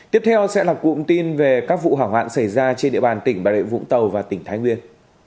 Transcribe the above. tiếp theo sẽ là cụm tin về các vụ hỏa hoạn xảy ra trên địa bàn tỉnh bà rịa vũng tàu và tỉnh thái nguyên